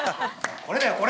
これだよ、これ！